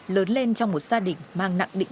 lớn lên trong một gia đình mang nặng định